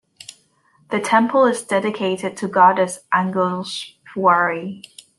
The temple is dedicated to goddess Angleshwari.